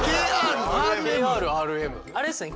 あれですね